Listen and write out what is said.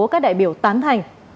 các đại biểu tán thành